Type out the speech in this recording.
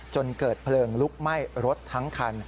จนเกิดเพลิงลุกไหม้รถทั้งคัน